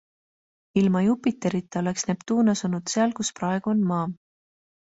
Ilma Jupiterita oleks Neptuun asunud seal, kus praegu on Maa.